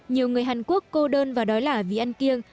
nhiều người hàn quốc cô đơn và đói lả vì ăn kiêng